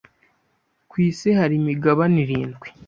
Ku isi hari imigabane irindwi.